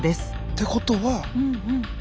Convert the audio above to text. てことは。